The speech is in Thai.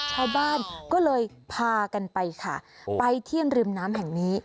ชาวบ้านก็เลยพากันไปค่ะไปที่ริมน้ำแห่งนี้